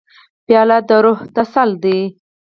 پیاله د روح تسل ده.